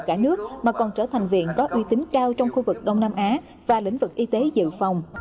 cả nước mà còn trở thành viện có uy tín cao trong khu vực đông nam á và lĩnh vực y tế dự phòng